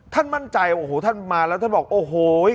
ท่านมั่นใจโอ้โหท่านมาแล้วท่านบอกโอ้โห